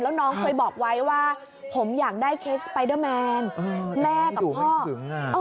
แล้วน้องเคยบอกไว้ว่าผมอยากได้เคสสไปเดอร์แมน